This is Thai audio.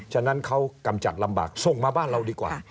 ฉะนั้นเขากำจัดลำบากส่งมาบ้านเราดีกว่า